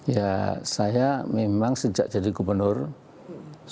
ya saya memang sejak jadi gubernur sudah